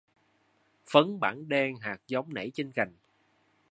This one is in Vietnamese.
Phấn... bảng đen hạt giống nẩy trên cành..